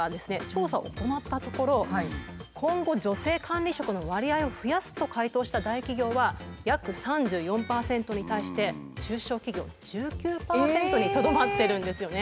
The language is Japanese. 調査を行ったところ今後女性管理職の割合を増やすと回答した大企業は約３４％に対して中小企業１９％にとどまってるんですよね。